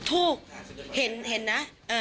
ถูกเห็นนะ